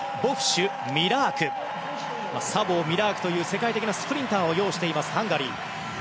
サボー、ミラークという世界的なスプリンターを擁していますハンガリー。